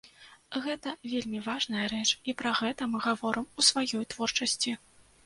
Гэта вельмі важная рэч, і пра гэта мы гаворым у сваёй творчасці.